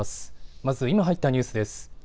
まず今入ったニュースです。